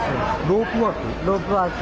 ロープワーク。